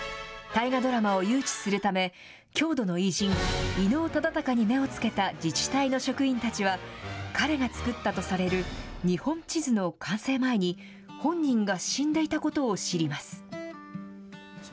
大河ドラマを誘致するため、郷土の偉人、伊能忠敬に目をつけた自治体の職員たちは、彼が作ったとされる日本地図の完成前に、本人が死んでいたことを知ります。